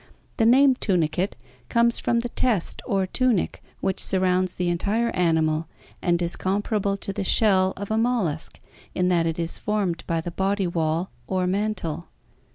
The name tunicate comes from the test or tunic which surrounds the entire animal and is compar able to the shell of a mollusc in that it is formed by the body wall or mantle.